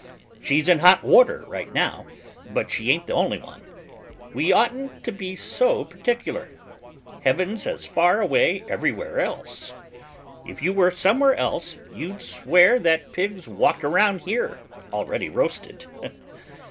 She's in hot water right now, but she ain't the only one. We oughtn't to be so particular; heaven's as far away everywhere else. If you were somewhere else, you'd swear that pigs walked around here already roasted.